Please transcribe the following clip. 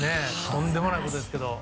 とんでもないことですけど。